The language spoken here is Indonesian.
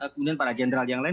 kemudian para jenderal yang lain